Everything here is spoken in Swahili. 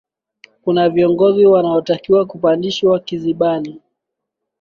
kuna viongozi wanaotakiwa kupandishwa kizimbani